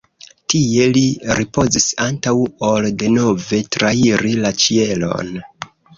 Tie li ripozis antaŭ ol denove trairi la ĉielon.